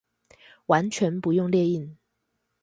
完全不用列印